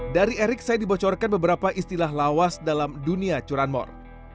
dari erik saya dibocorkan beberapa istilah lawas dalam dunia curanmor